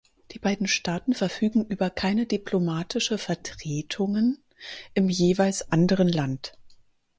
Die beiden Staaten verfügen über keine diplomatische Vertretungen im jeweils anderen Land.